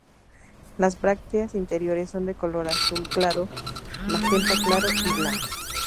Las brácteas interiores son de color azul claro, magenta claro y blanco.